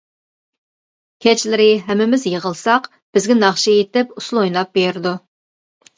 كەچلىرى ھەممىمىز يىغىلساق بىزگە ناخشا ئېيتىپ، ئۇسسۇل ئويناپ بېرىدۇ.